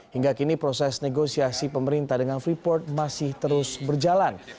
hingga kini proses negosiasi pemerintah dengan freeport masih terus berjalan